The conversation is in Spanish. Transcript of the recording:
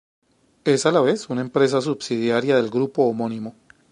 Es a la vez, una empresa subsidiaria del grupo homónimo.